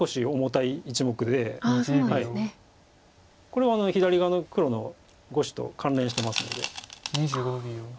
これは左側の黒の５子と関連してますので。